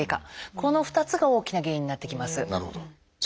この２つが大きな原因になってきます。